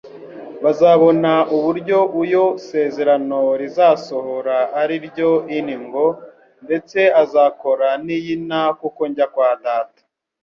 bazabona uburyo u-yo sezerano rizasohora ari ryo In ngo :« Ndetse azakora n'iyinta kuko njya kwa Data.